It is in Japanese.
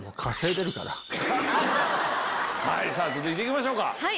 続いて行きましょうか。